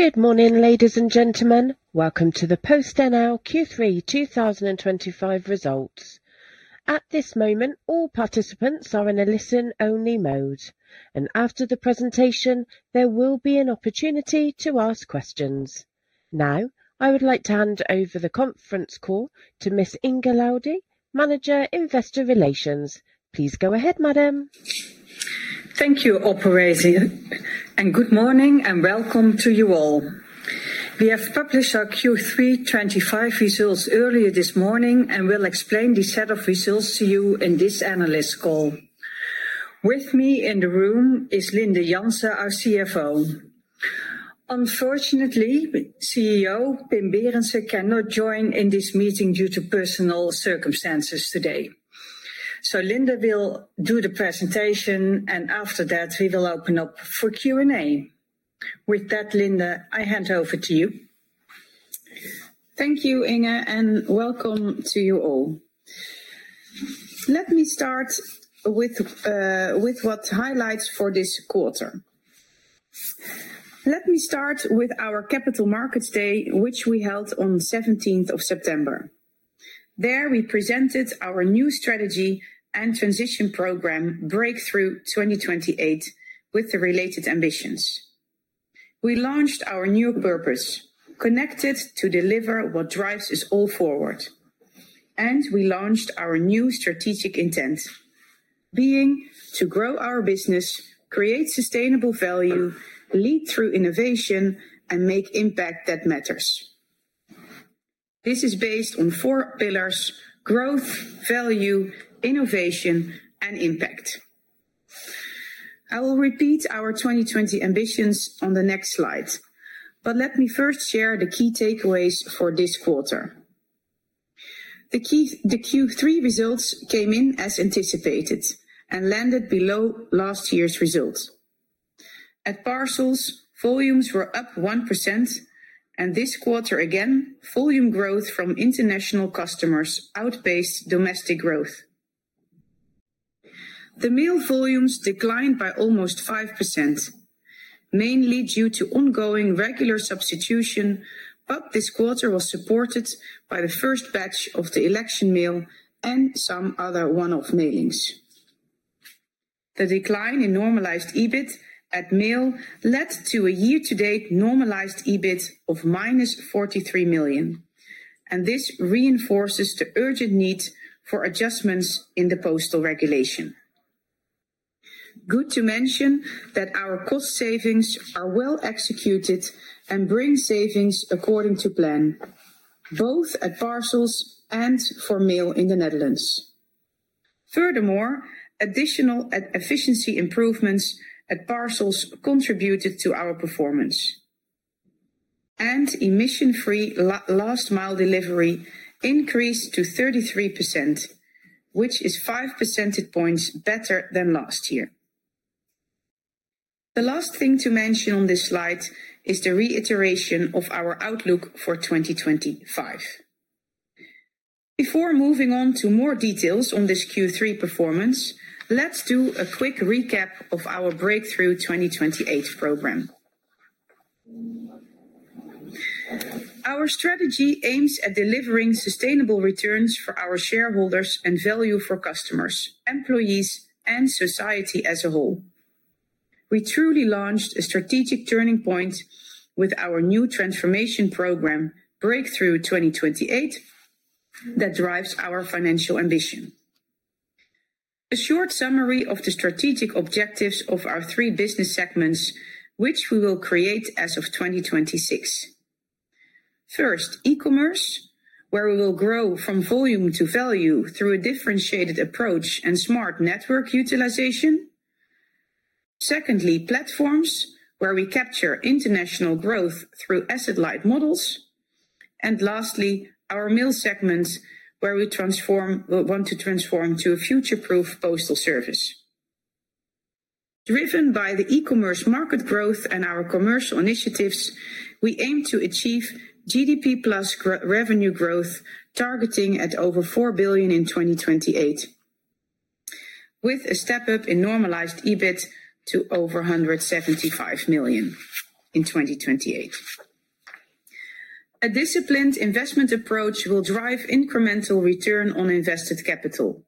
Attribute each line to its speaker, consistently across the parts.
Speaker 1: Good morning, ladies and gentlemen. Welcome to the PostNL Q3 2025 results. At this moment, all participants are in a listen-only mode, and after the presentation, there will be an opportunity to ask questions. Now, I would like to hand over the conference call to Ms. Inge Laudy, Manager, Investor Relations. Please go ahead, madam.
Speaker 2: Thank you, Operating. Good morning and welcome to you all. We have published our Q3 2025 results earlier this morning, and we will explain this set of results to you in this analyst call. With me in the room is Linde Jansen, our CFO. Unfortunately, CEO Pim Berendsen cannot join in this meeting due to personal circumstances today. Linde will do the presentation, and after that, we will open up for Q&A. With that, Linde, I hand over to you.
Speaker 3: Thank you, Inge, and welcome to you all. Let me start with what highlights for this quarter. Let me start with our Capital Markets Day, which we held on 17 September. There we presented our new strategy and transition program, Breakthrough 2028, with the related ambitions. We launched our new purpose: Connected to Deliver What Drives Us All Forward. We launched our new strategic intent, being to grow our business, create sustainable value, lead through innovation, and make impact that matters. This is based on four pillars: growth, value, innovation, and impact. I will repeat our 2020 ambitions on the next slide, but let me first share the key takeaways for this quarter. The Q3 results came in as anticipated and landed below last year's results. At parcels, volumes were up 1%, and this quarter again, volume growth from international customers outpaced domestic growth. The mail volumes declined by almost 5%, mainly due to ongoing regular substitution, but this quarter was supported by the first batch of the election mail and some other one-off mailings. The decline in normalized EBIT at mail led to a year-to-date normalized EBIT of -43 million, and this reinforces the urgent need for adjustments in the postal regulation. Good to mention that our cost savings are well executed and bring savings according to plan, both at parcels and for mail in the Netherlands. Furthermore, additional efficiency improvements at parcels contributed to our performance. Emission-free last-mile delivery increased to 33%, which is 5 percentage points better than last year. The last thing to mention on this slide is the reiteration of our outlook for 2025. Before moving on to more details on this Q3 performance, let's do a quick recap of our Breakthrough 2028 program. Our strategy aims at delivering sustainable returns for our shareholders and value for customers, employees, and society as a whole. We truly launched a strategic turning point with our new transformation program, Breakthrough 2028, that drives our financial ambition. A short summary of the strategic objectives of our three business segments, which we will create as of 2026. First, e-commerce, where we will grow from volume to value through a differentiated approach and smart network utilization. Secondly, platforms, where we capture international growth through asset-light models. Lastly, our mail segments, where we want to transform to a future-proof postal service. Driven by the e-commerce market growth and our commercial initiatives, we aim to achieve GDP plus revenue growth targeting at over 4 billion in 2028, with a step up in normalized EBIT to over 175 million in 2028. A disciplined investment approach will drive incremental return on invested capital,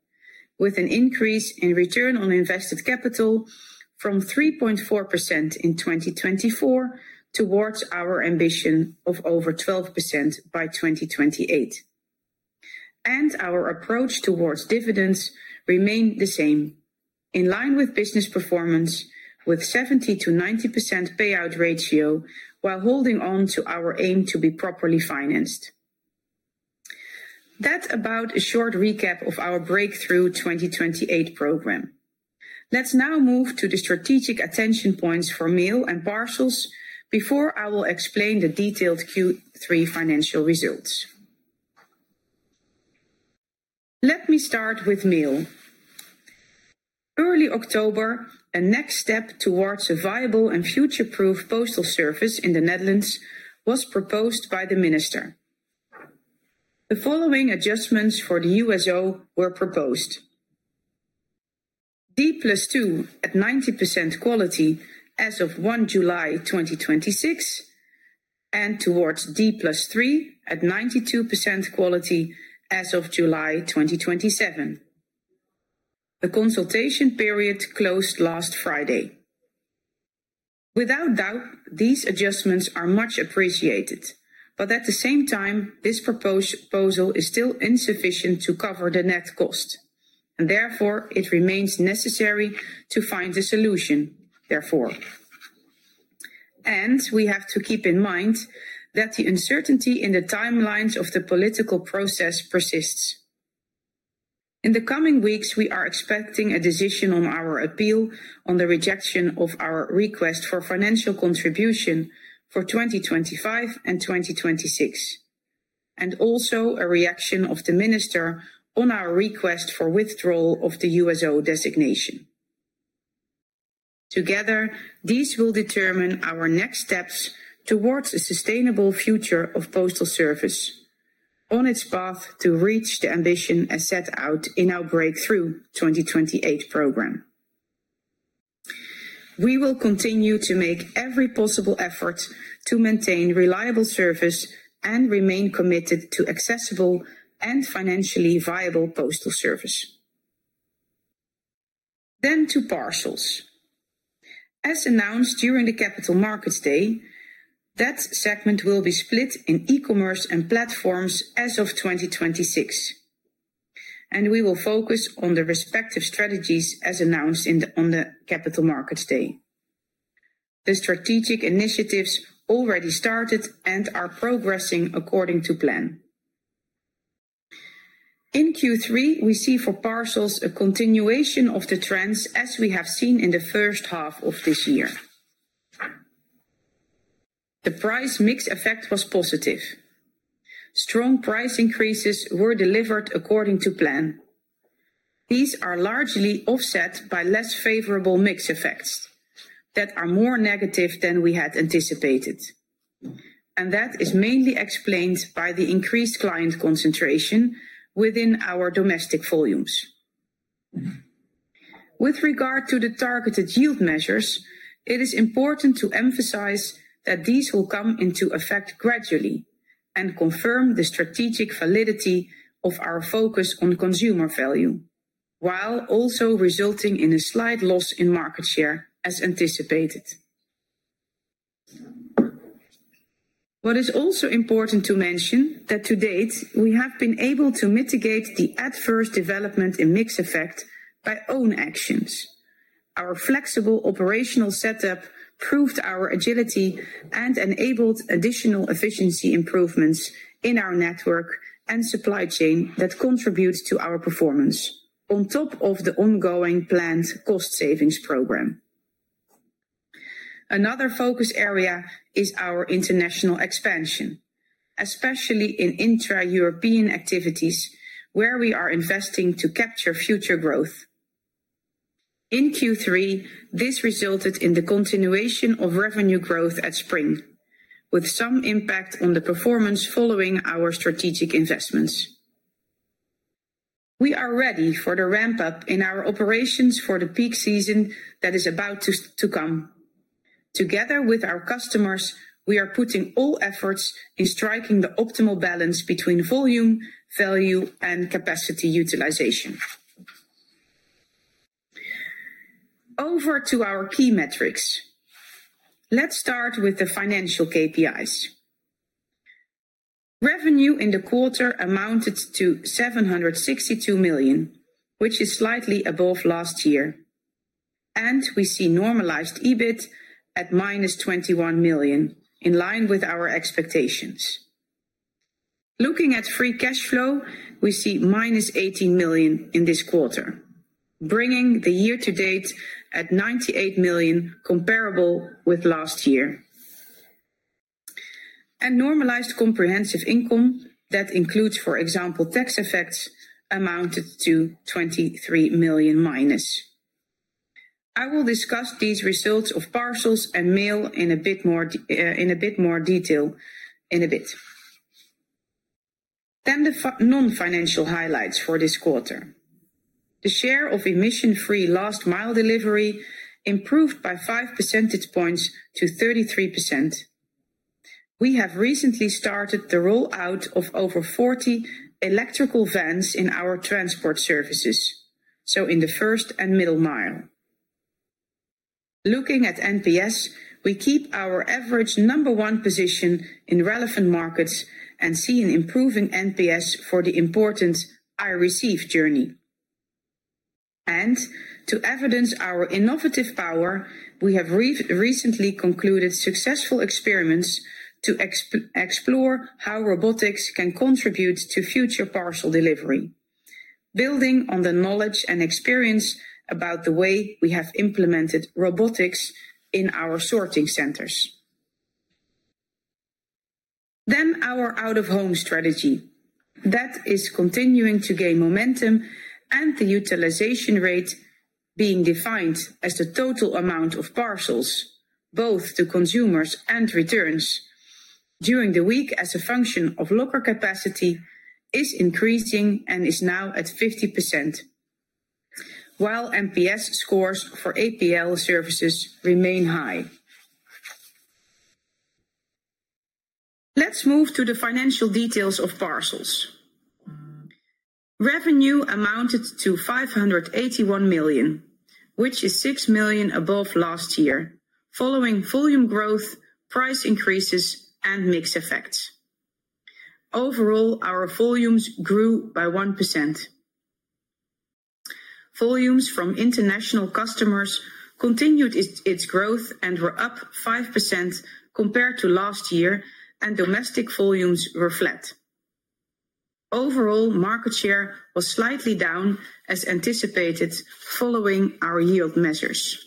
Speaker 3: with an increase in return on invested capital from 3.4% in 2024 towards our ambition of over 12% by 2028. Our approach towards dividends remains the same, in line with business performance, with a 70%-90% payout ratio, while holding on to our aim to be properly financed. That about a short recap of our Breakthrough 2028 program. Let's now move to the strategic attention points for mail and parcels before I will explain the detailed Q3 financial results. Let me start with mail. Early October, a next step towards a viable and future-proof postal service in the Netherlands was proposed by the minister. The following adjustments for the USO were proposed. D+2 at 90% quality as of 1 July 2026. And towards D+3 at 92% quality as of July 2027. The consultation period closed last Friday. Without doubt, these adjustments are much appreciated, but at the same time, this proposal is still insufficient to cover the net cost, and therefore it remains necessary to find a solution. We have to keep in mind that the uncertainty in the timelines of the political process persists. In the coming weeks, we are expecting a decision on our appeal on the rejection of our request for financial contribution for 2025 and 2026. Also a reaction of the minister on our request for withdrawal of the USO designation. Together, these will determine our next steps towards a sustainable future of postal service. On its path to reach the ambition as set out in our Breakthrough 2028 program. We will continue to make every possible effort to maintain reliable service and remain committed to accessible and financially viable postal service. To parcels. As announced during the Capital Markets Day, that segment will be split in e-commerce and platforms as of 2026. We will focus on the respective strategies as announced on the Capital Markets Day. The strategic initiatives already started and are progressing according to plan. In Q3, we see for parcels a continuation of the trends as we have seen in the first half of this year. The price mix effect was positive. Strong price increases were delivered according to plan. These are largely offset by less favorable mix effects that are more negative than we had anticipated. That is mainly explained by the increased client concentration within our domestic volumes. With regard to the targeted yield measures, it is important to emphasize that these will come into effect gradually and confirm the strategic validity of our focus on consumer value, while also resulting in a slight loss in market share as anticipated. What is also important to mention is that to date, we have been able to mitigate the adverse development in mix effect by own actions. Our flexible operational setup proved our agility and enabled additional efficiency improvements in our network and supply chain that contribute to our performance on top of the ongoing planned cost savings program. Another focus area is our international expansion, especially in intra-European activities where we are investing to capture future growth. In Q3, this resulted in the continuation of revenue growth at Spring, with some impact on the performance following our strategic investments. We are ready for the ramp-up in our operations for the peak season that is about to come. Together with our customers, we are putting all efforts in striking the optimal balance between volume, value, and capacity utilization. Over to our key metrics. Let's start with the financial KPIs. Revenue in the quarter amounted to 762 million, which is slightly above last year. We see normalized EBIT at -21 million, in line with our expectations. Looking at free cash flow, we see -18 million in this quarter, bringing the year-to-date at 98 million, comparable with last year. Normalized comprehensive income that includes, for example, tax effects amounted to 23- million. I will discuss these results of parcels and mail in a bit more detail in a bit. The non-financial highlights for this quarter: the share of emission-free last-mile delivery improved by 5 percentage points to 33%. We have recently started the rollout of over 40 electric vans in our transport services, so in the first and middle mile. Looking at NPS, we keep our average number one position in relevant markets and see an improving NPS for the important I-receive journey. To evidence our innovative power, we have recently concluded successful experiments to explore how robotics can contribute to future parcel delivery, building on the knowledge and experience about the way we have implemented robotics in our sorting centers. Our out-of-home strategy is continuing to gain momentum, and the utilization rate, being defined as the total amount of parcels, both to consumers and returns during the week as a function of locker capacity, is increasing and is now at 50%, while NPS scores for APL services remain high. Let's move to the financial details of parcels. Revenue amounted to 581 million, which is 6 million above last year, following volume growth, price increases, and mix effects. Overall, our volumes grew by 1%. Volumes from international customers continued its growth and were up 5% compared to last year, and domestic volumes were flat. Overall, market share was slightly down as anticipated following our yield measures.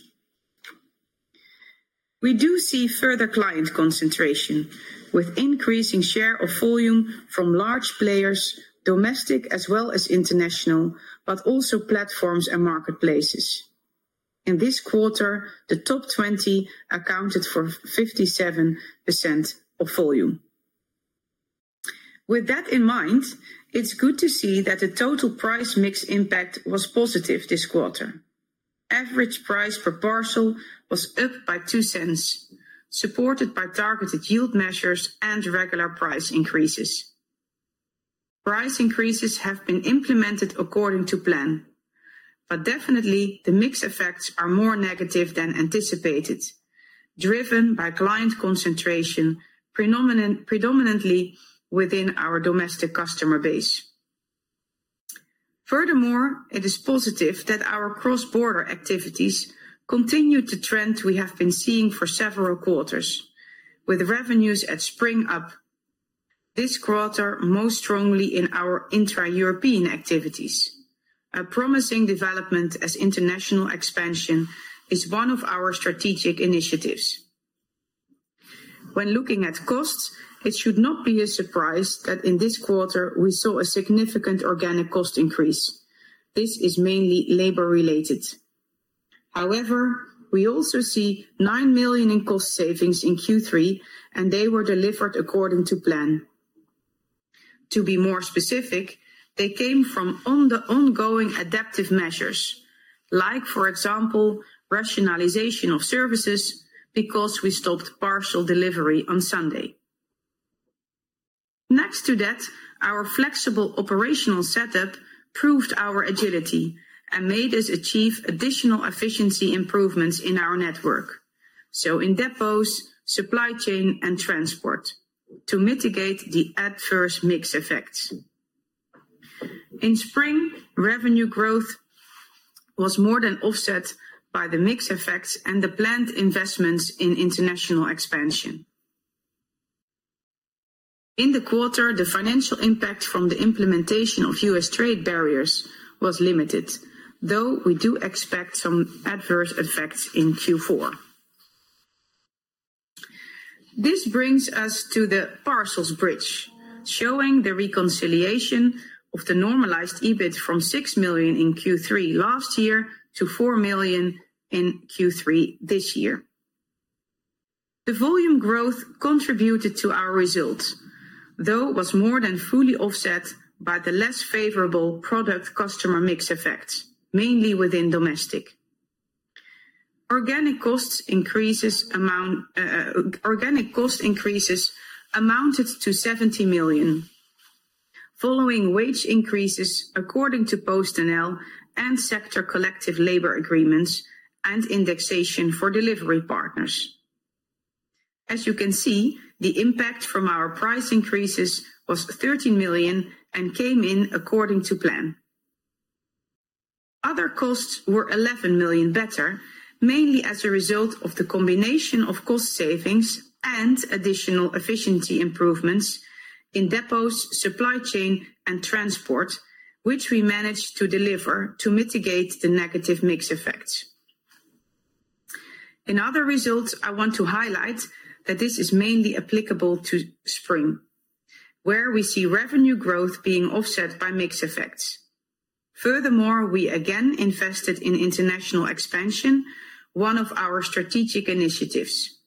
Speaker 3: We do see further client concentration with increasing share of volume from large players, domestic as well as international, but also platforms and marketplaces. In this quarter, the top 20 accounted for 57% of volume. With that in mind, it's good to see that the total price mix impact was positive this quarter. Average price per parcel was up by 0.02, supported by targeted yield measures and regular price increases. Price increases have been implemented according to plan. The mix effects are more negative than anticipated, driven by client concentration, predominantly within our domestic customer base. Furthermore, it is positive that our cross-border activities continue the trend we have been seeing for several quarters, with revenues at Spring up this quarter most strongly in our intra-European activities. A promising development as international expansion is one of our strategic initiatives. When looking at costs, it should not be a surprise that in this quarter we saw a significant organic cost increase. This is mainly labor-related. However, we also see 9 million in cost savings in Q3, and they were delivered according to plan. To be more specific, they came from ongoing adaptive measures, like, for example, rationalization of services because we stopped parcel delivery on Sunday. Next to that, our flexible operational setup proved our agility and made us achieve additional efficiency improvements in our network, so in depots, supply chain, and transport, to mitigate the adverse mix effects. In Spring, revenue growth was more than offset by the mix effects and the planned investments in international expansion. In the quarter, the financial impact from the implementation of U.S. trade barriers was limited, though we do expect some adverse effects in Q4. This brings us to the parcels bridge, showing the reconciliation of the normalized EBIT from 6 million in Q3 last year to 4 million in Q3 this year. The volume growth contributed to our results, though it was more than fully offset by the less favorable product-customer mix effects, mainly within domestic. Organic cost increases amounted to 70 million, following wage increases according to PostNL and sector collective labor agreements and indexation for delivery partners. As you can see, the impact from our price increases was 13 million and came in according to plan. Other costs were 11 million better, mainly as a result of the combination of cost savings and additional efficiency improvements in depots, supply chain, and transport, which we managed to deliver to mitigate the negative mix effects. In other results, I want to highlight that this is mainly applicable to Spring, where we see revenue growth being offset by mix effects. Furthermore, we again invested in international expansion, one of our strategic initiatives,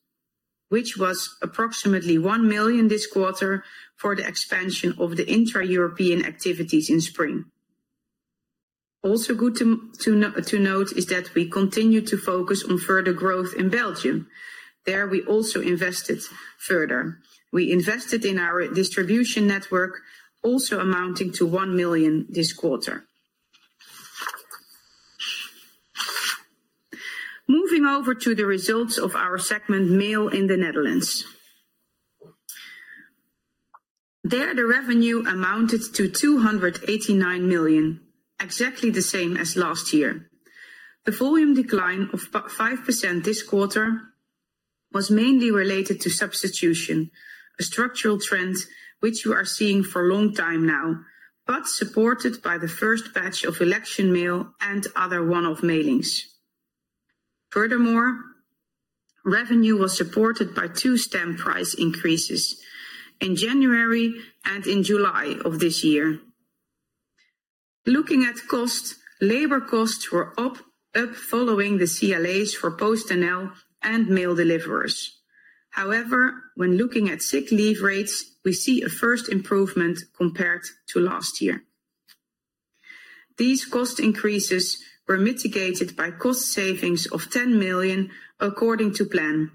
Speaker 3: which was approximately 1 million this quarter for the expansion of the intra-European activities in Spring. Also good to note is that we continue to focus on further growth in Belgium. There we also invested further. We invested in our distribution network, also amounting to 1 million this quarter. Moving over to the results of our segment, mail in the Netherlands. There, the revenue amounted to 289 million, exactly the same as last year. The volume decline of 5% this quarter was mainly related to substitution, a structural trend which you are seeing for a long time now, but supported by the first batch of election mail and other one-off mailings. Furthermore, revenue was supported by two stamp price increases in January and in July of this year. Looking at costs, labor costs were up following the CLAs for PostNL and mail deliverers. However, when looking at sick leave rates, we see a first improvement compared to last year. These cost increases were mitigated by cost savings of 10 million according to plan.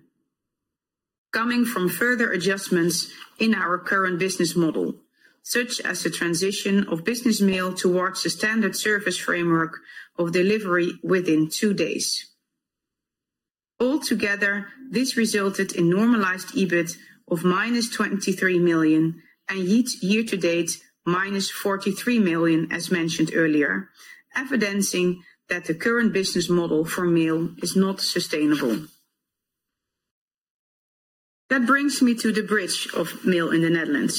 Speaker 3: Coming from further adjustments in our current business model, such as the transition of business mail towards the standard service framework of delivery within two days. Altogether, this resulted in normalized EBIT of -23 million and year-to-date -43 million, as mentioned earlier, evidencing that the current business model for mail is not sustainable. That brings me to the bridge of mail in the Netherlands.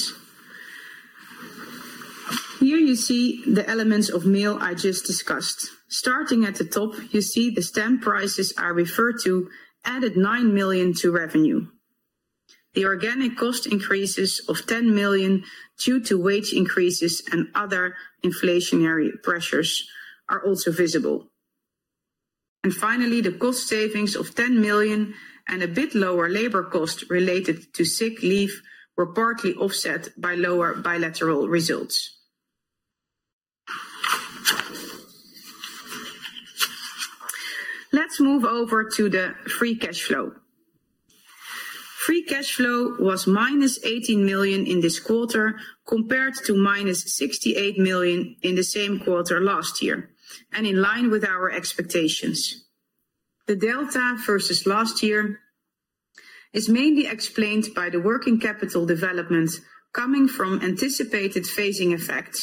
Speaker 3: Here you see the elements of mail I just discussed. Starting at the top, you see the stamp prices are referred to, added 9 million to revenue. The organic cost increases of 10 million due to wage increases and other inflationary pressures are also visible. Finally, the cost savings of 10 million and a bit lower labor cost related to sick leave were partly offset by lower bilateral results. Let's move over to the free cash flow. Free cash flow was -18 million in this quarter compared to -68 million in the same quarter last year, and in line with our expectations. The delta versus last year is mainly explained by the working capital development coming from anticipated phasing effects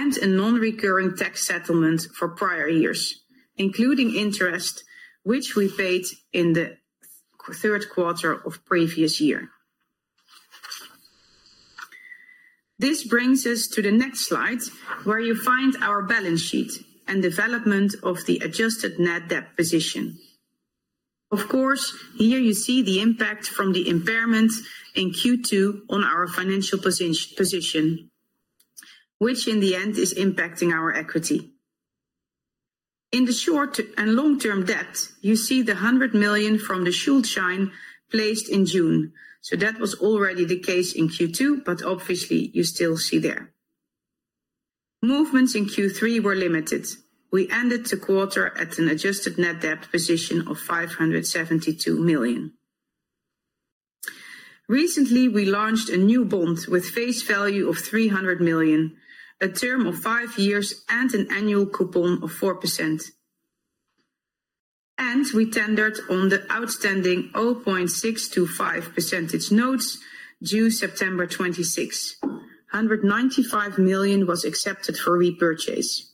Speaker 3: and a non-recurring tax settlement for prior years, including interest, which we paid in the third quarter of previous year. This brings us to the next slide, where you find our balance sheet and development of the adjusted net debt position. Of course, here you see the impact from the impairment in Q2 on our financial position, which in the end is impacting our equity. In the short and long-term debt, you see the 100 million from the Schuldschein placed in June. That was already the case in Q2, but obviously, you still see there. Movements in Q3 were limited. We ended the quarter at an adjusted net debt position of 572 million. Recently, we launched a new bond with face value of 300 million, a term of five years, and an annual coupon of 4%. We tendered on the outstanding 0.625% notes due September 2026. 195 million was accepted for repurchase.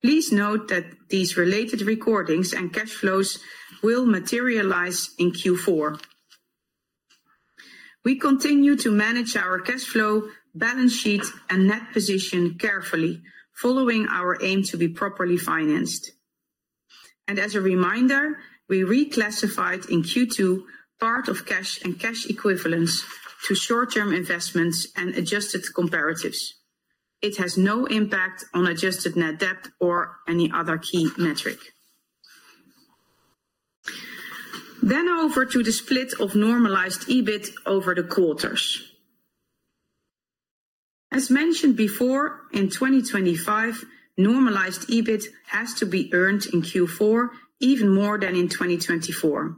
Speaker 3: Please note that these related recordings and cash flows will materialize in Q4. We continue to manage our cash flow, balance sheet, and net position carefully, following our aim to be properly financed. As a reminder, we reclassified in Q2 part of cash and cash equivalents to short-term investments and adjusted comparatives. It has no impact on adjusted net debt or any other key metric. Over to the split of normalized EBIT over the quarters. As mentioned before, in 2025, normalized EBIT has to be earned in Q4 even more than in 2024.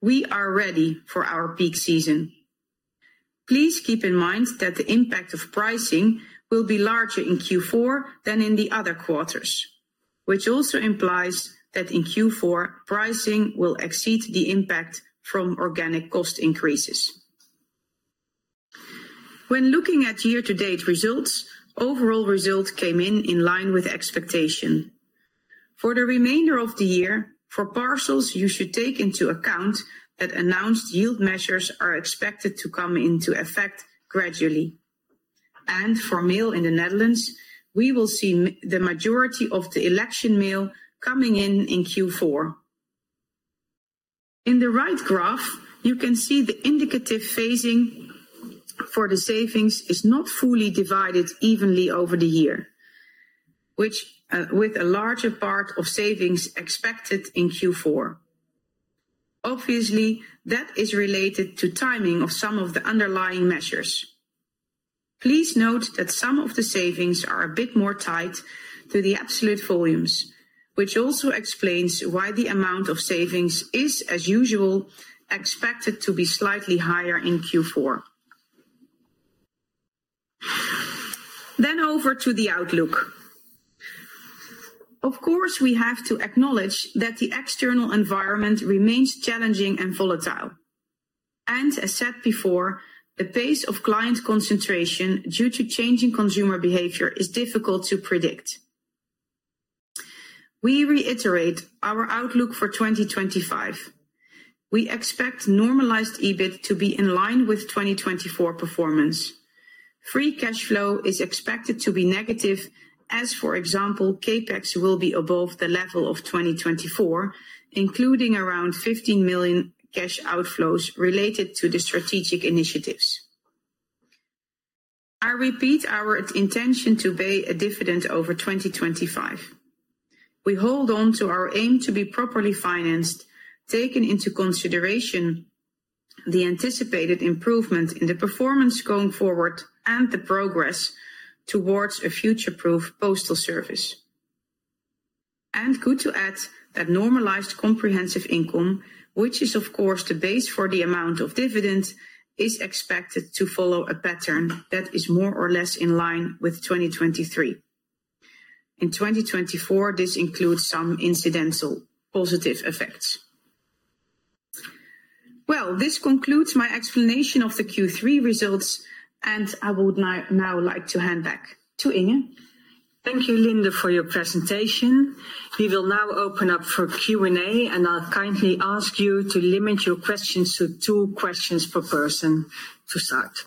Speaker 3: We are ready for our peak season. Please keep in mind that the impact of pricing will be larger in Q4 than in the other quarters, which also implies that in Q4, pricing will exceed the impact from organic cost increases. When looking at year-to-date results, overall results came in in line with expectation. For the remainder of the year, for parcels, you should take into account that announced yield measures are expected to come into effect gradually. For mail in the Netherlands, we will see the majority of the election mail coming in in Q4. In the right graph, you can see the indicative phasing. The savings are not fully divided evenly over the year, with a larger part of savings expected in Q4. Obviously, that is related to timing of some of the underlying measures. Please note that some of the savings are a bit more tied to the absolute volumes, which also explains why the amount of savings is, as usual, expected to be slightly higher in Q4. Over to the outlook. Of course, we have to acknowledge that the external environment remains challenging and volatile. As said before, the pace of client concentration due to changing consumer behavior is difficult to predict. We reiterate our outlook for 2025. We expect normalized EBIT to be in line with 2024 performance. Free cash flow is expected to be negative, as for example, CapEx will be above the level of 2024, including around 15 million cash outflows related to the strategic initiatives. I repeat our intention to pay a dividend over 2025. We hold on to our aim to be properly financed, taking into consideration the anticipated improvement in the performance going forward and the progress towards a future-proof postal service. It is good to add that normalized comprehensive income, which is of course the base for the amount of dividend, is expected to follow a pattern that is more or less in line with 2023. In 2024, this includes some incidental positive effects. This concludes my explanation of the Q3 results, and I would now like to hand back to Inge.
Speaker 2: Thank you, Linde, for your presentation. We will now open up for Q&A, and I'll kindly ask you to limit your questions to two questions per person to start.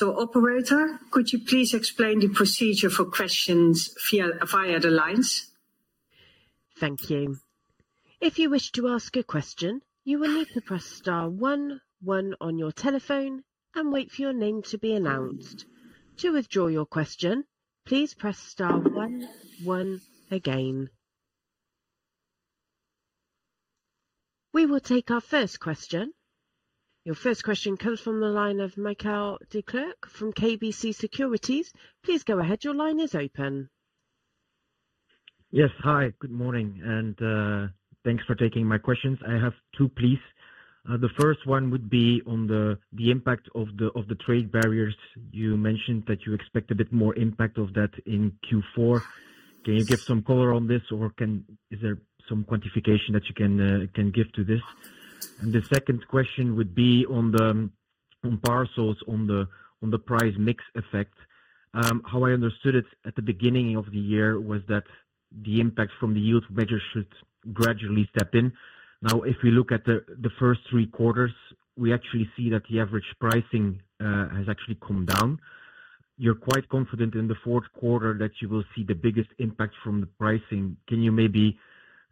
Speaker 2: Operator, could you please explain the procedure for questions via the lines?
Speaker 1: Thank you. If you wish to ask a question, you will need to press star one one on your telephone and wait for your name to be announced. To withdraw your question, please press star one one again. We will take our first question. Your first question comes from the line of Michiel Declercq from KBC Securities. Please go ahead. Your line is open.
Speaker 4: Yes, hi. Good morning, and thanks for taking my questions. I have two pleas. The first one would be on the impact of the trade barriers you mentioned that you expect a bit more impact of that in Q4. Can you give some color on this, or is there some quantification that you can give to this? The second question would be on parcels, on the price mix effect. How I understood it at the beginning of the year was that the impact from the yield measure should gradually step in. Now, if we look at the first three quarters, we actually see that the average pricing has actually come down. You're quite confident in the fourth quarter that you will see the biggest impact from the pricing. Can you maybe,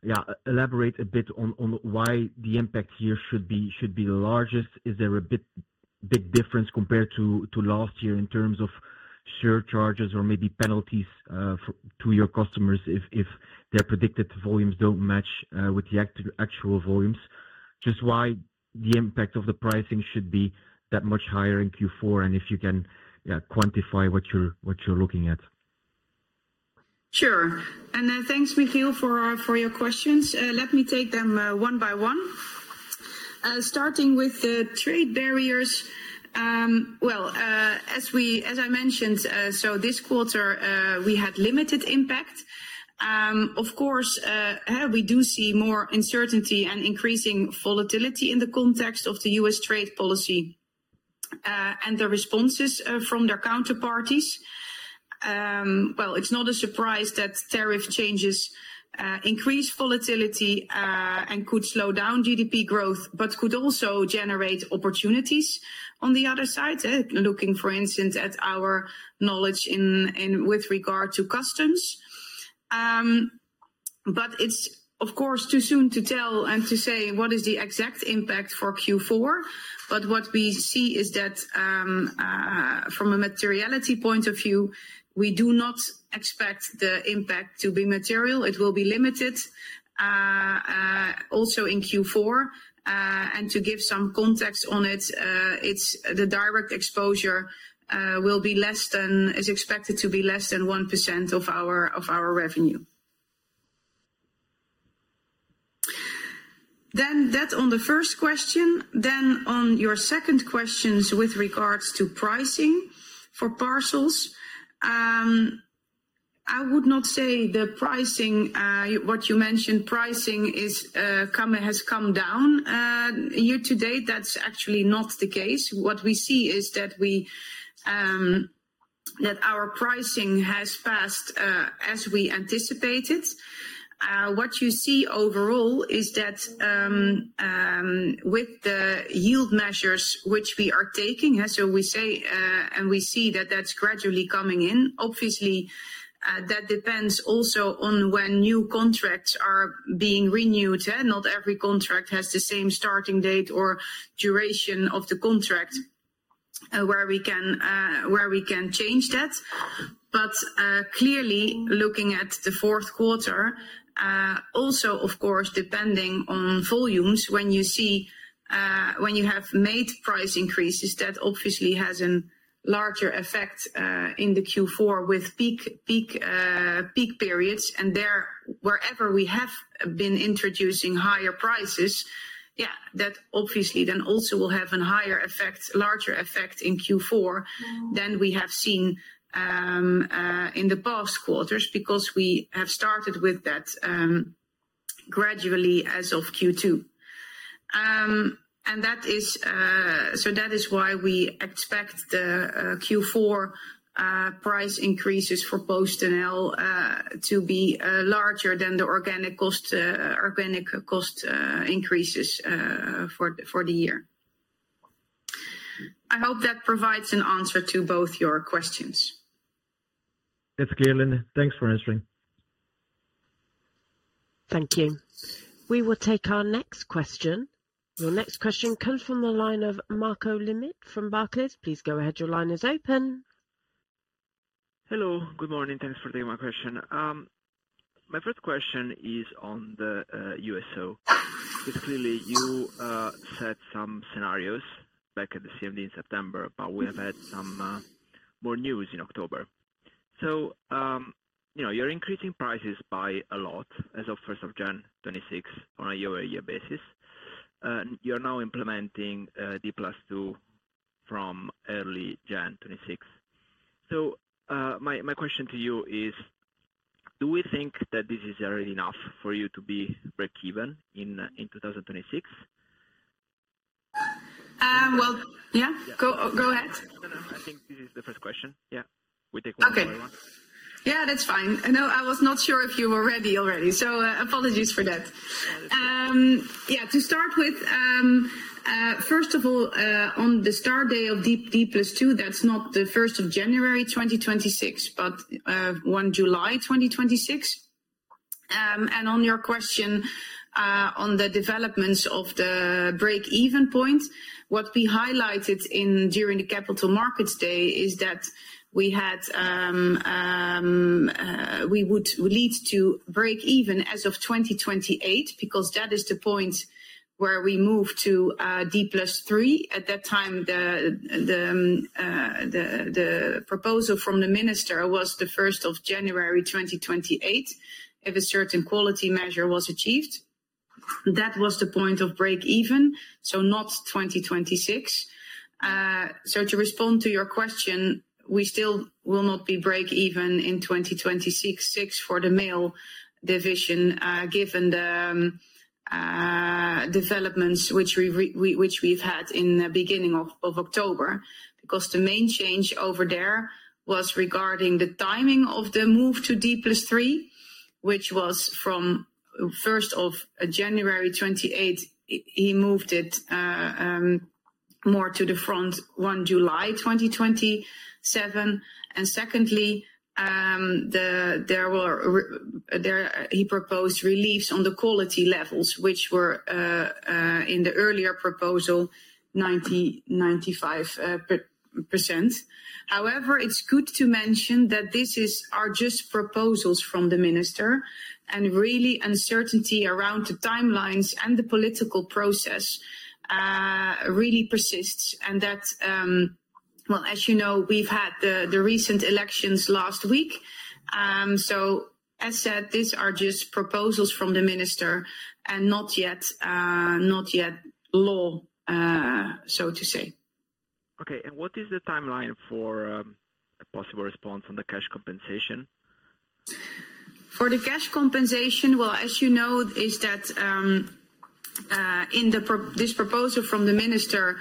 Speaker 4: yeah, elaborate a bit on why the impact here should be the largest? Is there a big difference compared to last year in terms of surcharges or maybe penalties to your customers if their predicted volumes do not match with the actual volumes? Just why the impact of the pricing should be that much higher in Q4 and if you can quantify what you're looking at.
Speaker 3: Sure. And thanks, Michiel, for your questions. Let me take them one by one. Starting with the trade barriers. As I mentioned, this quarter, we had limited impact. Of course, we do see more uncertainty and increasing volatility in the context of the U.S. trade policy and the responses from their counterparties. It is not a surprise that tariff changes increase volatility and could slow down GDP growth, but could also generate opportunities on the other side, looking, for instance, at our knowledge with regard to customs. It is, of course, too soon to tell and to say what is the exact impact for Q4. What we see is that from a materiality point of view, we do not expect the impact to be material. It will be limited, also in Q4. To give some context on it, the direct exposure will be less than, is expected to be less than 1% of our revenue. That on the first question. On your second questions with regards to pricing for parcels. I would not say the pricing, what you mentioned, pricing has come down year-to-date. That is actually not the case. What we see is that our pricing has passed as we anticipated. What you see overall is that with the yield measures which we are taking, so we say, and we see that that is gradually coming in. Obviously, that depends also on when new contracts are being renewed. Not every contract has the same starting date or duration of the contract where we can change that. Clearly, looking at the fourth quarter, also, of course, depending on volumes, when you see, when you have made price increases, that obviously has a larger effect in the Q4 with peak periods. Wherever we have been introducing higher prices, that obviously then also will have a larger effect in Q4 than we have seen in the past quarters because we have started with that gradually as of Q2. That is why we expect the Q4 price increases for PostNL to be larger than the organic cost increases for the year. I hope that provides an answer to both your questions.
Speaker 4: That's clear, Linde. Thanks for answering.
Speaker 1: Thank you. We will take our next question. Your next question comes from the line of Marco Limite from Barclays. Please go ahead. Your line is open.
Speaker 5: Hello. Good morning. Thanks for taking my question. My first question is on the USO. Because clearly, you set some scenarios back at the CMD in September, but we have had some more news in October. You are increasing prices by a lot as of 1 January 2026, on a year-over-year basis. You are now implementing D+2 from early January 2026. My question to you is, do we think that this is already enough for you to be break-even in 2026?
Speaker 3: Go ahead.
Speaker 5: No, I think this is the first question. We take one by one.
Speaker 3: Okay. That is fine. I was not sure if you were ready already, so apologies for that. To start with, first of all, on the start date of D+2, that is not 1 January 2026, but 1 July 2026. On your question on the developments of the break-even point, what we highlighted during the Capital Markets Day is that we would lead to break-even as of 2028 because that is the point where we move to D+3. At that time, the proposal from the minister was 1 January 2028, if a certain quality measure was achieved. That was the point of break-even, so not 2026. To respond to your question, we still will not be break-even in 2026 for the mail division given the developments which we have had in the beginning of October because the main change over there was regarding the timing of the move to D+3, which was from 1st January 2028. He moved it more to the front, 1 July 2027. Secondly, he proposed reliefs on the quality levels, which were in the earlier proposal 95%. However, it is good to mention that these are just proposals from the minister, and really uncertainty around the timelines and the political process persists. As you know, we have had the recent elections last week. As said, these are just proposals from the minister and not yet law, so to say.
Speaker 5: Okay. What is the timeline for a possible response on the cash compensation?
Speaker 3: For the cash compensation, as you know, in this proposal from the minister,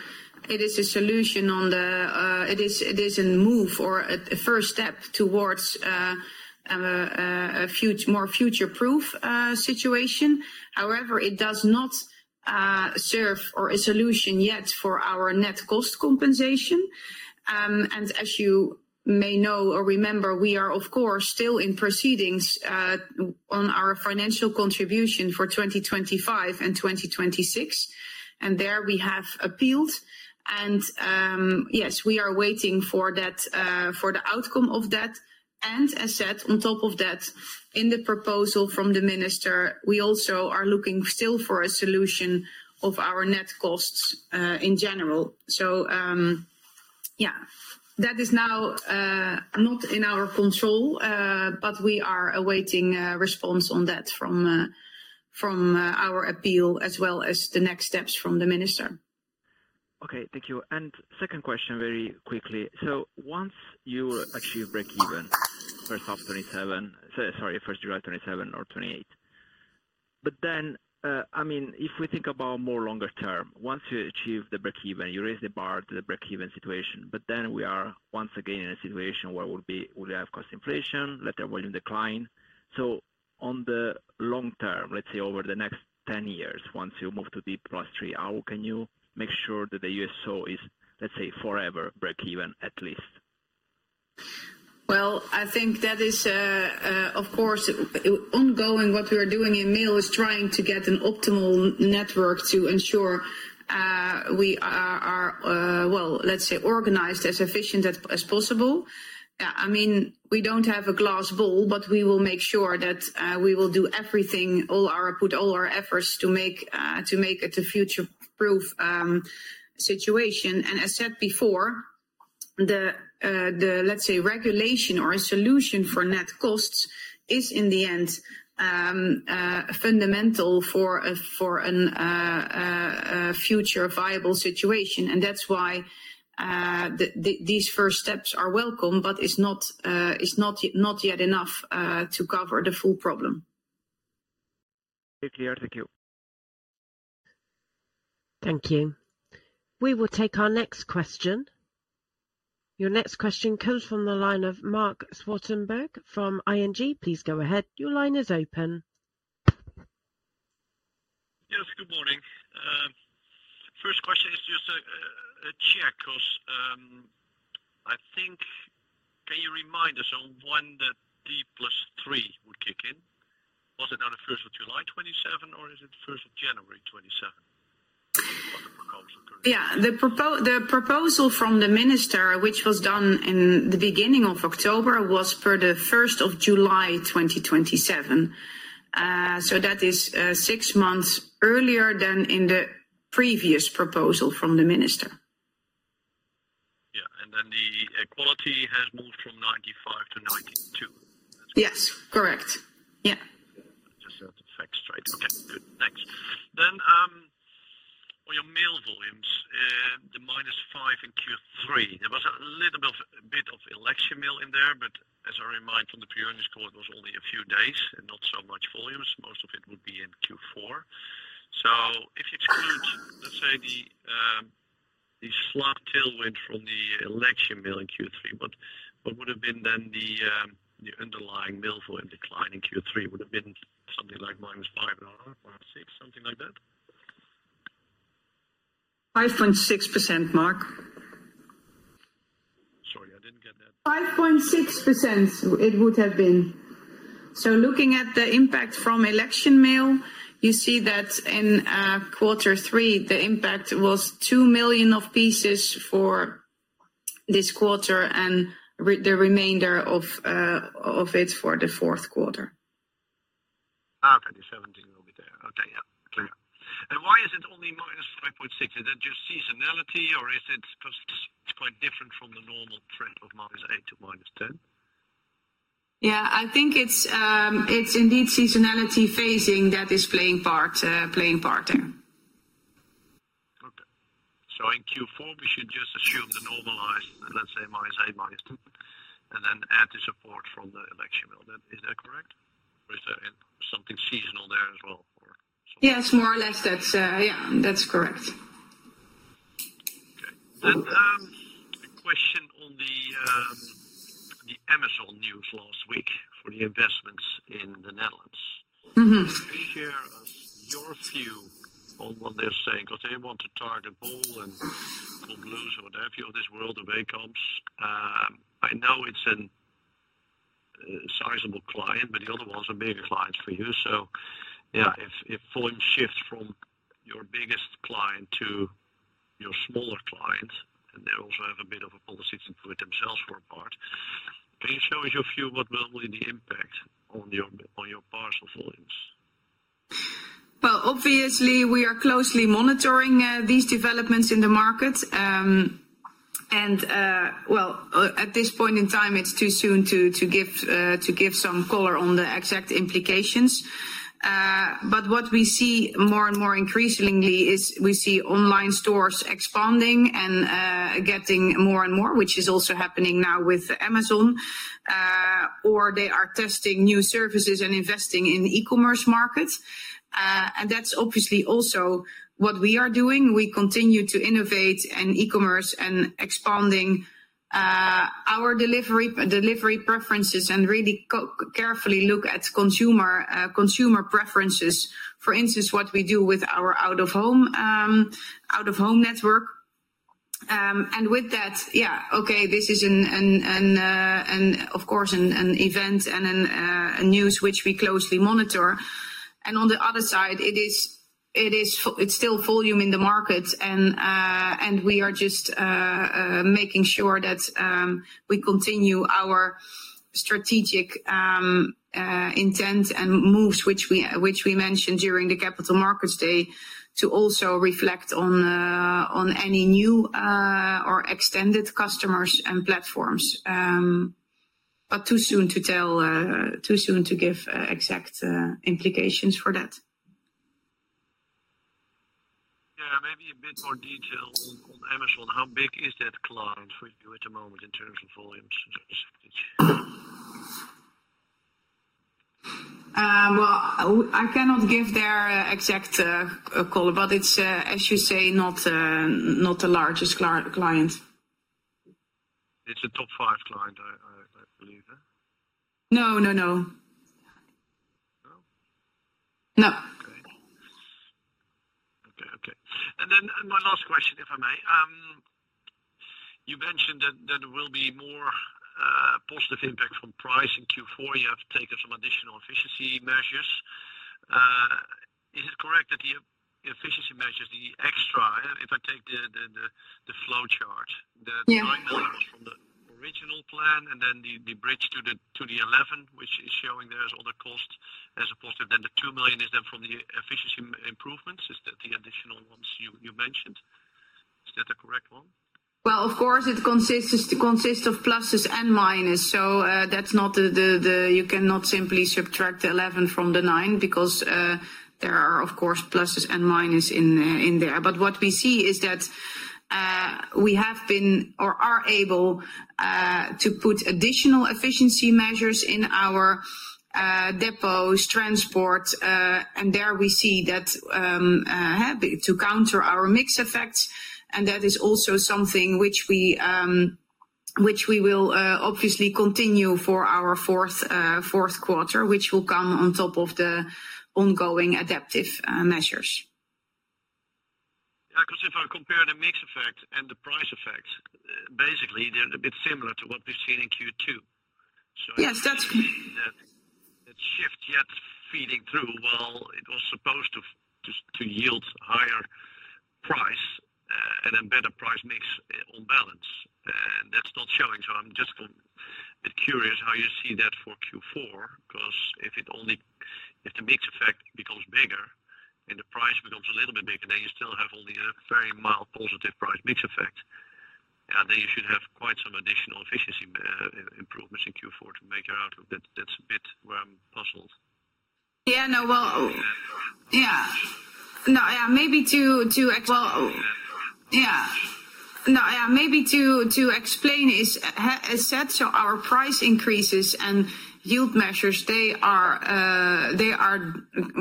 Speaker 3: it is a solution on the, it is a move or a first step towards a more future-proof situation. However, it does not serve a solution yet for our net cost compensation. As you may know or remember, we are, of course, still in proceedings on our financial contribution for 2025 and 2026. We have appealed, and we are waiting for the outcome of that. As said, on top of that, in the proposal from the minister, we also are looking still for a solution of our net costs in general. That is now. Not in our control, but we are awaiting a response on that from our appeal as well as the next steps from the minister.
Speaker 5: Okay. Thank you. Second question, very quickly. Once you achieve break-even, 1st of 2027, sorry, 1st July 2027 or 2028. If we think about more longer term, once you achieve the break-even, you raise the bar to the break-even situation. We are once again in a situation where we'll have cost inflation, letter volume decline. On the long term, let's say over the next 10 years, once you move to D+3, how can you make sure that the USO is, let's say, forever break-even at least?
Speaker 3: I think that is. Of course, ongoing what we are doing in mail is trying to get an optimal network to ensure we are, let's say, organized as efficient as possible. Yeah. I mean, we don't have a glass bowl, but we will make sure that we will do everything, all our efforts to make it a future-proof situation. As said before, the, let's say, regulation or a solution for net costs is, in the end, fundamental for a future viable situation. That's why these first steps are welcome, but it's not yet enough to cover the full problem.
Speaker 5: Okay. Clear. Thank you.
Speaker 1: Thank you. We will take our next question. Your next question comes from the line of Marc Zwartsenburg from ING. Please go ahead. Your line is open.
Speaker 6: Yes. Good morning. First question is just a check because I think. Can you remind us on when the D+3 would kick in? Was it on the 1st of July 2027, or is it 1st of January 2027?
Speaker 3: Yeah. The proposal from the minister, which was done in the beginning of October, was for the 1st of July 2027. That is six months earlier than in the previous proposal from the minister.
Speaker 6: Yeah. The quality has moved from 95% to 92%.
Speaker 3: Yes. Correct. Yeah.
Speaker 6: Just a fact straight. Okay. Good. Thanks. On your mail volumes, the minus five in Q3, there was a little bit of election mail in there, but as I remind from the Pioneers Court, it was only a few days and not so much volumes. Most of it would be in Q4. If you exclude, let's say, the slight tailwind from the election mail in Q3, what would have been then the underlying mail volume decline in Q3? Would it have been something like minus five or six? Something like that?
Speaker 3: 5.6%, Marc.
Speaker 6: Sorry, I didn't get that.
Speaker 3: 5.6%, it would have been. Looking at the impact from election mail, you see that in quarter three, the impact was 2 million pieces for this quarter and the remainder of it for the fourth quarter.
Speaker 6: 2017 will be there. Okay. Yeah. Clear. Why is it only minus 5.6? Is that just seasonality, or is it quite different from the normal trend of -8 to -10?
Speaker 3: Yeah. I think it's indeed seasonality phasing that is playing part there.
Speaker 6: Okay. So in Q4, we should just assume the normalized, let's say, -8, -2, and then add the support from the election mail. Is that correct? Or is there something seasonal there as well?
Speaker 3: Yeah. It's more or less that. Yeah, that's correct.
Speaker 6: Okay. A question on the Amazon news last week for the investments in the Netherlands. Share us your view on what they're saying because they want to target all and all blues or what have you of this world of ACOMs. I know it's a sizable client, but the other ones are bigger clients for you. So yeah, if volumes shift from your biggest client to your smaller client, and they also have a bit of a policy to put themselves for a part. Can you show us your view, what will be the impact on your parcel volumes?
Speaker 3: Obviously, we are closely monitoring these developments in the market. At this point in time, it's too soon to give some color on the exact implications. What we see more and more increasingly is we see online stores expanding and getting more and more, which is also happening now with Amazon. Or they are testing new services and investing in e-commerce markets. That's obviously also what we are doing. We continue to innovate in e-commerce and expanding our delivery preferences and really carefully look at consumer preferences. For instance, what we do with our out-of-home network. With that, yeah, okay, this is of course an event and a news which we closely monitor. On the other side, it is still volume in the market, and we are just making sure that we continue our strategic intent and moves, which we mentioned during the Capital Markets Day, to also reflect on any new or extended customers and platforms. Too soon to tell, too soon to give exact implications for that.
Speaker 6: Yeah. Maybe a bit more detail on Amazon. How big is that client for you at the moment in terms of volumes?
Speaker 3: I cannot give their exact call, but it's, as you say, not the largest client.
Speaker 6: It's a top five client, I believe, yeah?
Speaker 3: No, no, no. No? No.
Speaker 6: Okay. Okay. Okay. Then my last question, if I may. You mentioned that there will be more positive impact from price in Q4. You have taken some additional efficiency measures. Is it correct that the efficiency measures, the extra, if I take the flow chart, the 9 million was from the original plan, and then the bridge to the 11, which is showing there as other costs as opposed to then the 2 million is then from the efficiency improvements? Is that the additional ones you mentioned? Is that the correct one?
Speaker 3: Of course, it consists of pluses and minus. That is not the, you cannot simply subtract the 11 from the 9 because there are, of course, pluses and minus in there. What we see is that we have been or are able to put additional efficiency measures in our depots, transport, and there we see that to counter our mixed effects. That is also something which we will obviously continue for our fourth quarter, which will come on top of the ongoing adaptive measures.
Speaker 6: Yeah. If I compare the mixed effect and the price effect, basically, they are a bit similar to what we have seen in Q2. That shift yet feeding through while it was supposed to yield higher price and a better price mix on balance, and that is not showing. I am just a bit curious how you see that for Q4 because if the mixed effect becomes bigger and the price becomes a little bit bigger, then you still have only a very mild positive price mix effect. Then you should have quite some additional efficiency improvements in Q4 to make your outlook. That is a bit where I am puzzled.
Speaker 3: Yeah. No. Yeah. No. Yeah. Maybe to, well, yeah. No. Yeah. Maybe to explain is, as said, our price increases and yield measures, they are,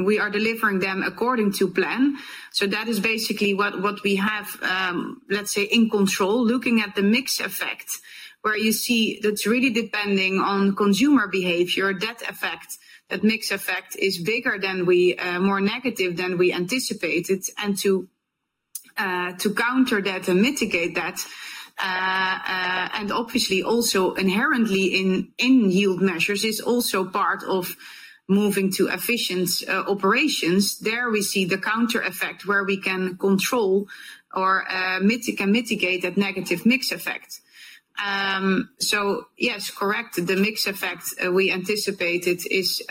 Speaker 3: we are delivering them according to plan. That is basically what we have, let's say, in control. Looking at the mixed effect, where you see that is really depending on consumer behavior, that effect, that mixed effect is bigger than we, more negative than we anticipated. To counter that and mitigate that, and obviously, also inherently in yield measures is also part of moving to efficient operations, there we see the counter effect where we can control or mitigate that negative mixed effect. Yes, correct. The mixed effect we anticipated is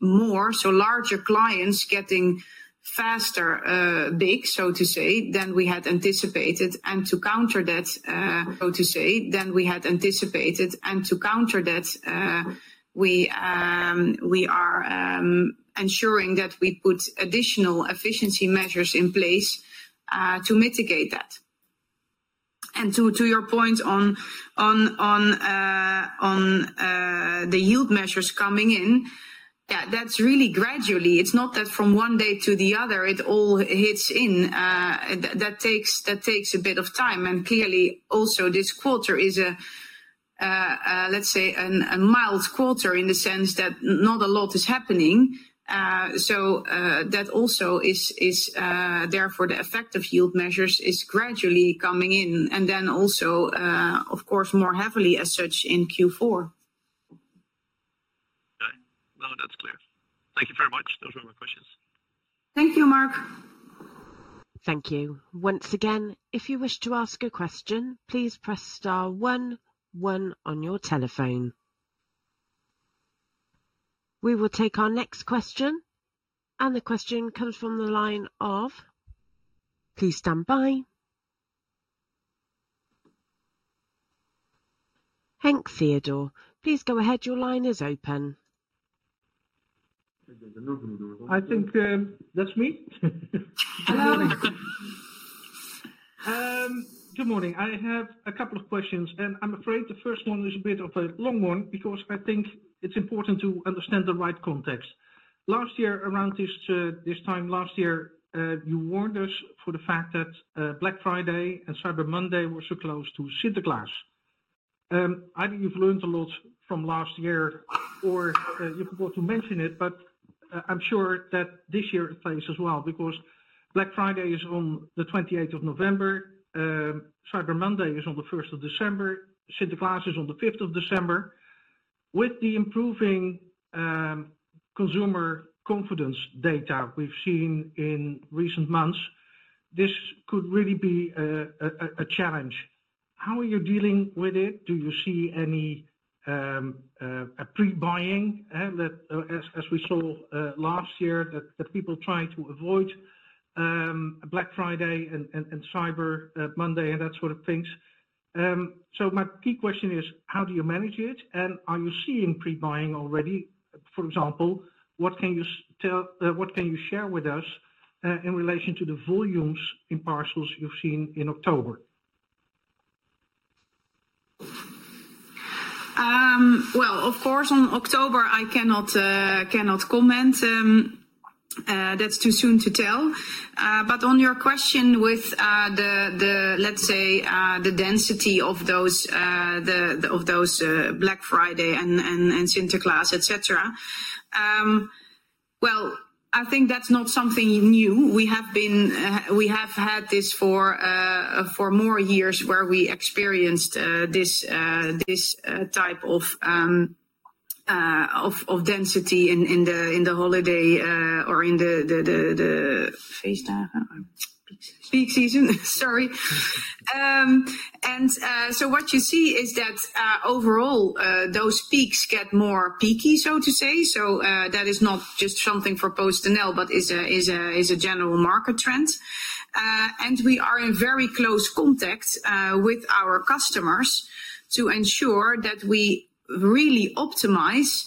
Speaker 3: more, so larger clients getting faster big, so to say, than we had anticipated. To counter that, we are ensuring that we put additional efficiency measures in place to mitigate that. To your point on the yield measures coming in, yeah, that is really gradually. It is not that from one day to the other, it all hits in. That takes a bit of time. Clearly, also this quarter is a, let's say, a mild quarter in the sense that not a lot is happening. Therefore, the effect of yield measures is gradually coming in, and then also, of course, more heavily as such in Q4.
Speaker 6: Okay. No, that is clear. Thank you very much. Those were my questions.
Speaker 3: Thank you, Marc.
Speaker 1: Thank you. Once again, if you wish to ask a question, please press star one, one on your telephone. We will take our next question. The question comes from the line of, please stand by. [Henk Theodore], please go ahead. Your line is open. I think that's me. Hello. Good morning. I have a couple of questions. I'm afraid the first one is a bit of a long one because I think it's important to understand the right context. Last year, around this time last year, you warned us for the fact that Black Friday and Cyber Monday were so close to Santa Claus. Either you've learned a lot from last year or you forgot to mention it, but I'm sure that this year it plays as well because Black Friday is on the 28th of November. Cyber Monday is on the 1st of December. Santa Claus is on the 5th of December. With the improving consumer confidence data we've seen in recent months, this could really be a challenge. How are you dealing with it? Do you see any pre-buying, as we saw last year, that people try to avoid Black Friday and Cyber Monday and that sort of things? My key question is, how do you manage it? Are you seeing pre-buying already? For example, what can you share with us in relation to the volumes in parcels you've seen in October?
Speaker 3: Of course, on October, I cannot comment. That's too soon to tell. On your question with the, let's say, the density of those Black Friday and Santa Claus, etc., I think that's not something new. We have had this for more years where we experienced this type of density in the holiday or in the peak season, sorry. What you see is that overall, those peaks get more peaky, so to say. That is not just something for PostNL, but is a general market trend. We are in very close contact with our customers to ensure that we really optimize,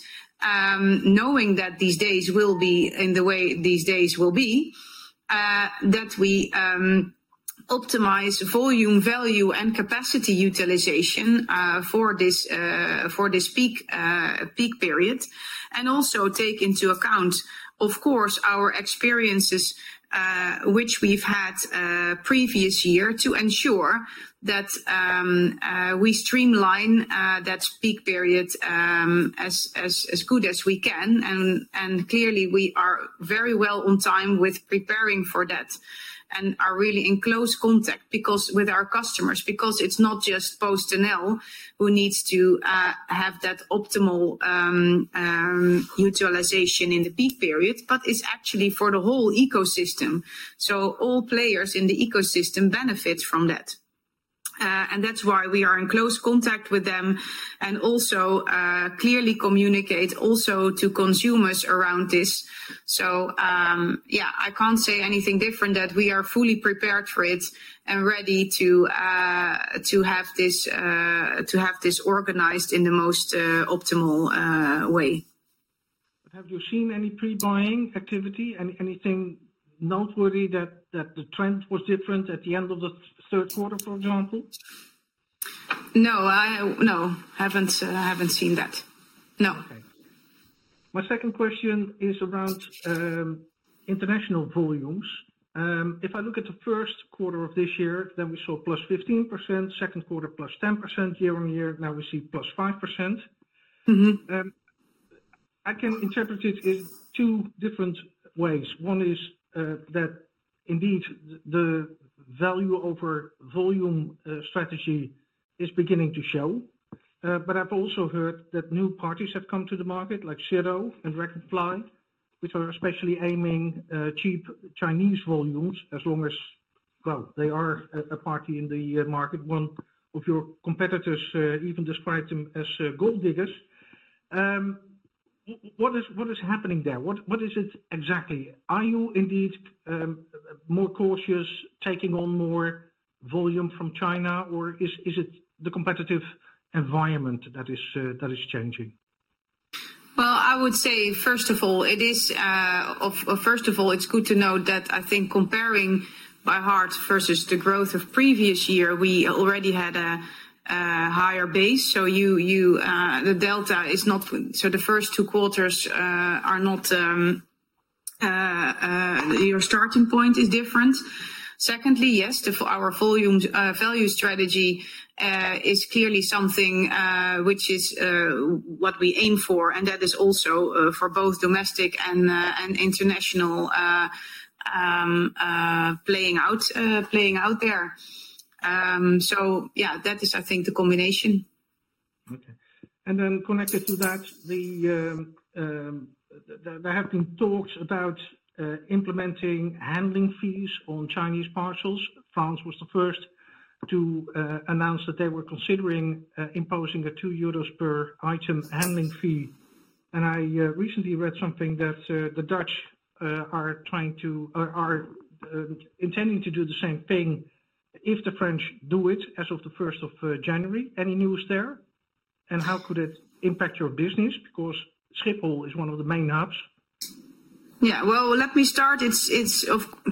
Speaker 3: knowing that these days will be in the way these days will be, that we optimize volume, value, and capacity utilization for this peak period. Also take into account, of course, our experiences which we've had previous year to ensure that we streamline that peak period as good as we can. Clearly, we are very well on time with preparing for that and are really in close contact with our customers because it's not just PostNL who needs to have that optimal utilization in the peak period, but it's actually for the whole ecosystem. All players in the ecosystem benefit from that. That's why we are in close contact with them and also clearly communicate also to consumers around this. I can't say anything different that we are fully prepared for it and ready to have this organized in the most optimal way. Have you seen any pre-buying activity? Anything noteworthy that the trend was different at the end of the third quarter, for example? No. No. I haven't seen that. No. Okay. My second question is around international volumes. If I look at the first quarter of this year, then we saw +15%, second quarter +10% year on year. Now we see +5%. I can interpret it in two different ways. One is that indeed the value over volume strategy is beginning to show. I have also heard that new parties have come to the market like Zito and Reconfly, which are especially aiming cheap Chinese volumes as long as, well, they are a party in the market. One of your competitors even described them as gold diggers. What is happening there? What is it exactly? Are you indeed more cautious taking on more volume from China, or is it the competitive environment that is changing? I would say, first of all, it is. First of all, it is good to note that I think comparing by heart versus the growth of previous year, we already had a higher base. The delta is not so the first two quarters are not. Your starting point is different. Secondly, yes, our value strategy is clearly something which is what we aim for. That is also for both domestic and international. Playing out there. That is, I think, the combination. Okay. Connected to that, there have been talks about implementing handling fees on Chinese parcels. France was the first to announce that they were considering imposing a 2 euros per item handling fee. I recently read something that the Dutch are trying to, intending to do the same thing if the French do it as of the 1st of January. Any news there? How could it impact your business? Schiphol is one of the main hubs. It is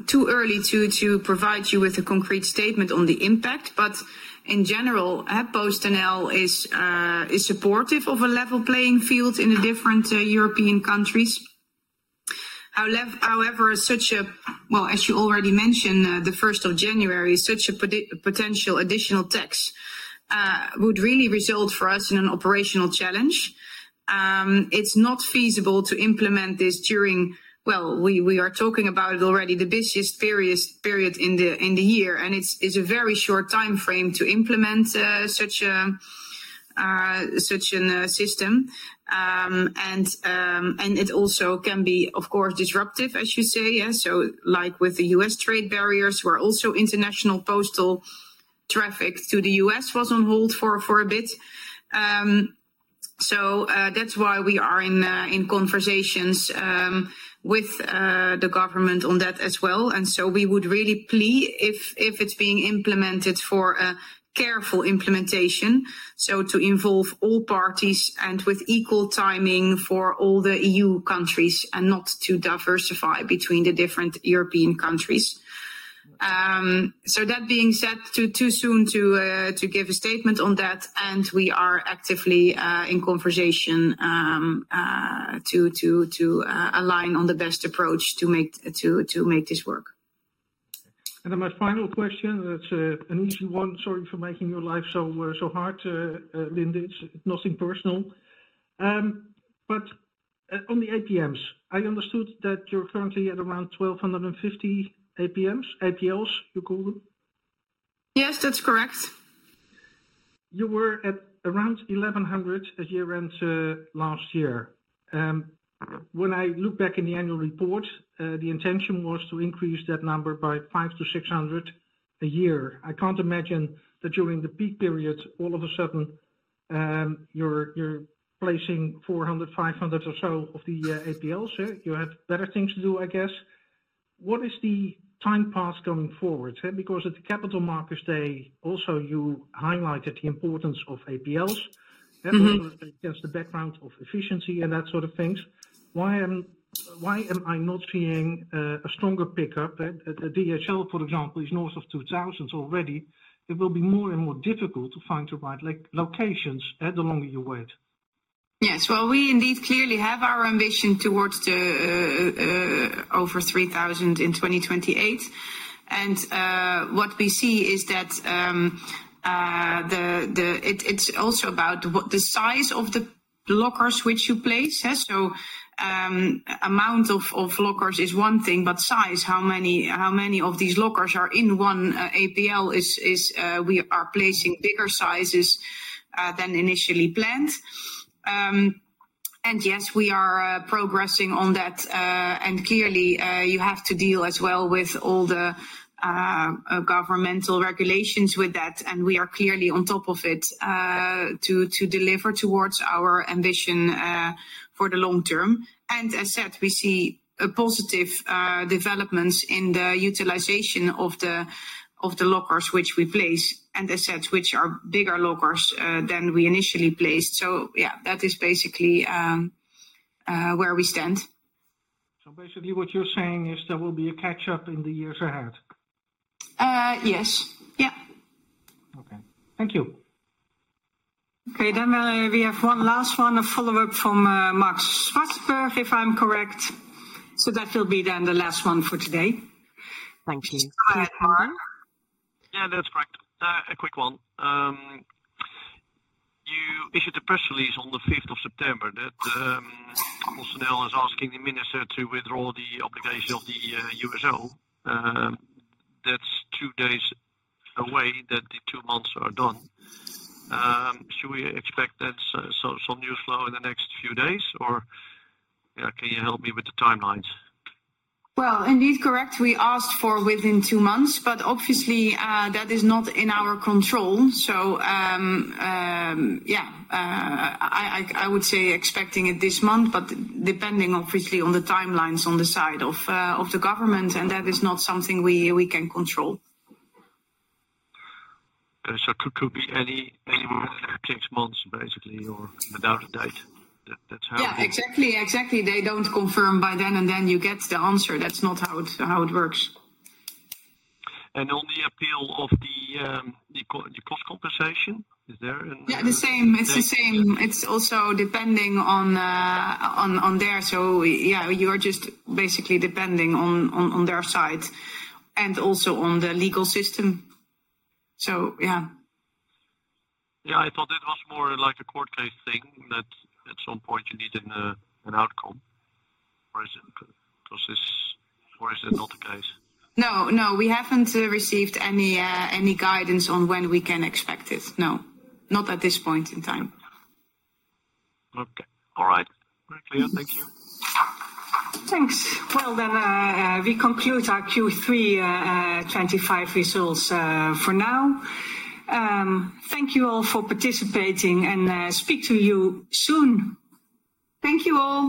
Speaker 3: too early to provide you with a concrete statement on the impact. In general, PostNL is supportive of a level playing field in the different European countries. However, such a, as you already mentioned, the 1st of January, such a potential additional tax would really result for us in an operational challenge. It is not feasible to implement this during, we are talking about it already, the busiest period in the year. It is a very short timeframe to implement such a system. It also can be, of course, disruptive, as you say. Like with the U.S. trade barriers, where also international postal traffic to the U.S. was on hold for a bit. That is why we are in conversations with the government on that as well. We would really plead if it is being implemented for a careful implementation, to involve all parties and with equal timing for all the EU countries and not to diversify between the different European countries. That being said, too soon to give a statement on that. We are actively in conversation to align on the best approach to make this work. My final question, that is an easy one. Sorry for making your life so hard, Linde. It's nothing personal. But on the APLs, I understood that you're currently at around 1,250 APLs, you call them? Yes, that's correct. You were at around 1,100 at year end last year. When I look back in the annual report, the intention was to increase that number by 500-600 a year. I can't imagine that during the peak period, all of a sudden you're placing 400-500 or so of the APLs. You have better things to do, I guess. What is the time path going forward? Because at the Capital Markets Day, also, you highlighted the importance of APLs. That was against the background of efficiency and that sort of things. Why am I not seeing a stronger pickup? DHL, for example, is north of 2,000 already. It will be more and more difficult to find the right locations the longer you wait. Yes. We indeed clearly have our ambition towards the over 3,000 in 2028. What we see is that it's also about the size of the lockers which you place. Amount of lockers is one thing, but size, how many of these lockers are in one APL, we are placing bigger sizes than initially planned. Yes, we are progressing on that. Clearly, you have to deal as well with all the governmental regulations with that. We are clearly on top of it to deliver towards our ambition for the long term. As said, we see positive developments in the utilization of the lockers which we place, and as said, which are bigger lockers than we initially placed. Yeah, that is basically where we stand. So basically, what you're saying is there will be a catch-up in the years ahead? Yes. Yeah. Okay. Thank you.
Speaker 1: Okay. Then we have one last one, a follow-up from Marc Zwartsenburg, if I'm correct. That will be then the last one for today. Thank you.
Speaker 2: Go ahead, Marc.
Speaker 6: Yeah, that's correct. A quick one. You issued a press release on the 5th of September that PostNL is asking the minister to withdraw the obligation of the USO. That's two days away that the two months are done. Should we expect some news flow in the next few days, or can you help me with the timelines?
Speaker 3: Indeed correct. We asked for within two months, but obviously, that is not in our control. I would say expecting it this month, but depending obviously on the timelines on the side of the government, and that is not something we can control.
Speaker 6: Could it be any more than six months, basically, or without a date? That's how.
Speaker 3: Yeah, exactly. Exactly. They don't confirm by then, and then you get the answer. That's not how it works.
Speaker 6: On the appeal of the cost compensation, is there an—yeah,
Speaker 3: the same. It's the same. It's also depending on there. Yeah, you are just basically depending on their side and also on the legal system.
Speaker 6: Yeah. I thought it was more like a court case thing that at some point you need an outcome. Or is it not the case?
Speaker 3: No, no. We haven't received any guidance on when we can expect it. No. Not at this point in time.
Speaker 6: Okay. All right. Very clear. Thank you.
Speaker 3: Thanks. We conclude our Q3 2025 results for now. Thank you all for participating, and speak to you soon. Thank you all.